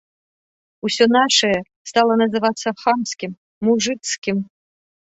Усё нашае стала называцца хамскім, мужыцкім.